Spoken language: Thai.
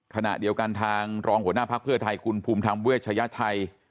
ขณะเดียวกันทางรองหัวหน้าภักดิ์เพื่อไทยคุณภูมิธรรมเวชยไทย